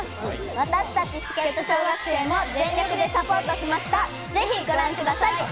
私たち助っ人小学生も全力でサポートしました、ぜひご覧ください。